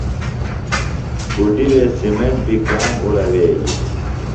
کُڈیۡ وے سِمیٹ بیۡ کام اُوڑویلیۡ۔